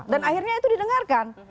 dan akhirnya itu didengarkan